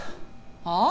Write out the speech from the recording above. はあ？